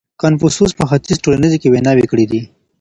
کنفوسوس په ختیځ کي ټولنیزې ویناوې کړې دي.